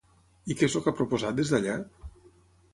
I què és el que ha proposat des d'allà?